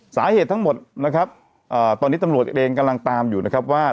สาเหตุทั้งหมดนะครับตอนนี้ตำรวจเองกำลังตามอยู่นะครับว่า